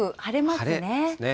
晴れですね。